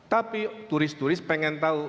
tapi turis turis pengen tahu